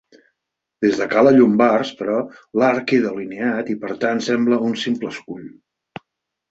Des de cala Llombards, però, l'arc queda alineat i per tant sembla un simple escull.